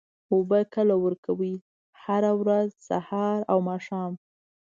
اوبه کله ورکوئ؟ هره ورځ، سهار او ماښام